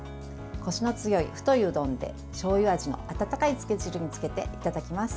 コシの強い太いうどんでしょうゆ味の温かいつけ汁につけていただきます。